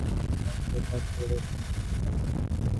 তখন প্রায় পাঁচ থেকে দশ মিনিটের মত ব্যথা থাকে।